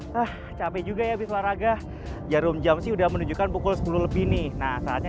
hai ah cape juga ya biswa raga jarum jam sih udah menunjukkan pukul sepuluh lebih nih nah saatnya